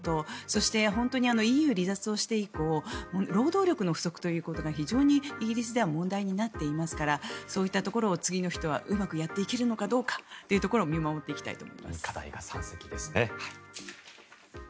そして、本当にＥＵ離脱をして以降労働力の不足ということが非常にイギリスでは問題になっていますからそういったところを次の人はうまくやっていけるかどうかを課題が山積ですね。